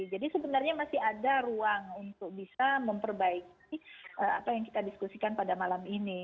jadi sebenarnya masih ada ruang untuk bisa memperbaiki apa yang kita diskusikan pada malam ini